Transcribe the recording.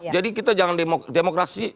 jadi kita jangan demokrasi